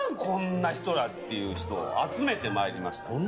こんな人ら！」っていう人を集めてまいりました。